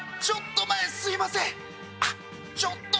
ちょっと前すいませんあっ